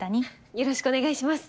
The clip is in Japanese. よろしくお願いします。